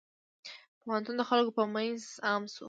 پوهنتون د خلکو په منځ عام شوی.